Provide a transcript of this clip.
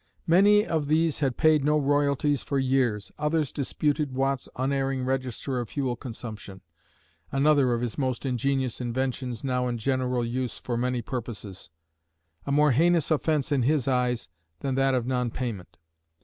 Many of these had paid no royalties for years, others disputed Watt's unerring register of fuel consumption (another of his most ingenious inventions now in general use for many purposes), a more heinous offense in his eyes than that of non payment.